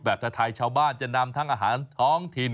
ไทยชาวบ้านจะนำทั้งอาหารท้องถิ่น